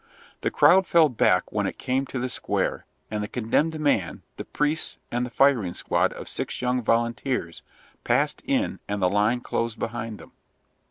The crowd fell back when it came to the square, and the condemned man, the priests, and the firing squad of six young volunteers passed in and the line closed behind them.